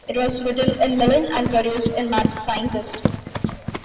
It was written by Milian and produced by Madd Scientist.